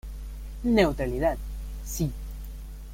Neutralidad Si!